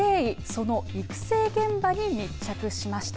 その育成現場に密着しました。